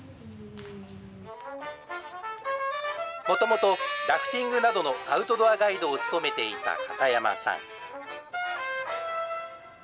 もともとラフティングなどのアウトドアガイドを務めていた片山さん。